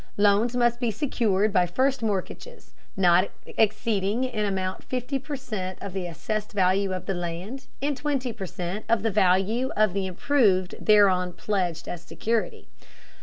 Loans must be secured by first mortgages not exceeding in amount fifty per cent of the assessed value of the land and twenty per cent of the value of the improvements thereon pledged as security.